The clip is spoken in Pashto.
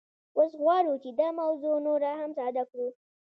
اوس غواړو چې دا موضوع نوره هم ساده کړو